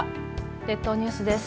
列島ニュースです。